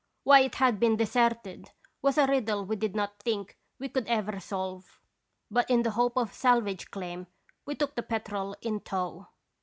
Why it had been deserted was a riddle we did not think we could ever solve, but in the hope of salvage claim we took the Petrel in tow.